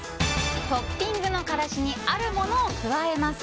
トッピングの辛子にあるものを加えます。